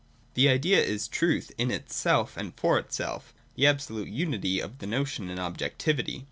J The Idea is truth in itself and for itself, — the absolute unity of the notion and objectivity.